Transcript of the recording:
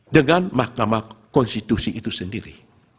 dengan mahkamah konstitusi itu sendiri